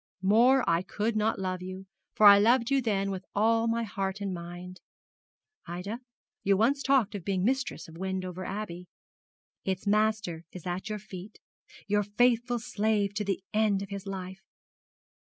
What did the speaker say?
More I could not love you, for I loved you then with all my heart and mind. Ida, you once talked of being mistress of Wendover Abbey. Its master is at your feet, your faithful slave to the end of his life.